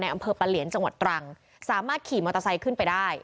อำเภอปะเหลียนจังหวัดตรังสามารถขี่มอเตอร์ไซค์ขึ้นไปได้